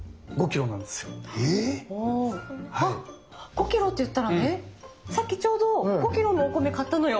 えっ⁉あっ５キロっていったらねさっきちょうど５キロのお米買ったのよ。